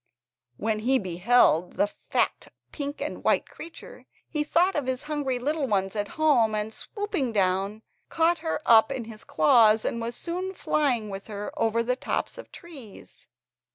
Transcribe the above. When he beheld the fat pink and white creature he thought of his hungry little ones at home, and swooping down he caught her up in his claws and was soon flying with her over the tops of the trees.